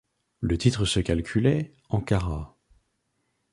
Le titre se calculait en carats.